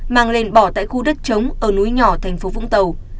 mang lên bỏ tại khu đất trống ở núi nhỏ thành phố vũng tàu